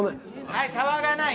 はい騒がない。